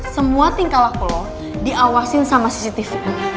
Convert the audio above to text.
semua tingkat laku lo diawasin sama cctv